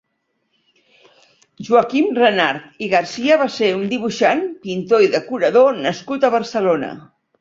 Joaquim Renart i Garcia va ser un dibuixant, pintor i decorador nascut a Barcelona.